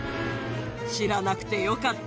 知らなくてよかった。